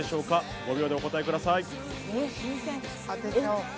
５秒でお答えください。